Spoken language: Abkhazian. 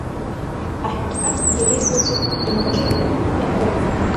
Аҳәынҭқар иагьа ихәыцп, инапаҿы иҟоуп, иауҳәауеи?